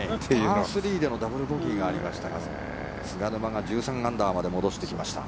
パー３でのダブルボギーがありましたが菅沼が１３アンダーまで戻してきました。